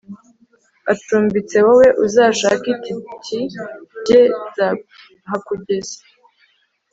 acumbitse wowe uzashake itiki jye nzahakugeza